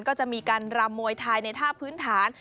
ก็จะมีการรำมวยไทยในท่าพื้นฐาน